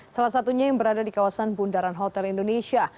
salah satunya yang berada di kawasan bundaran hotel indonesia